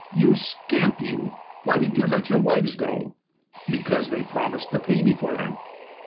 " You scamxD you, why did you let your wives go? " ''Because they promised to pay me for them."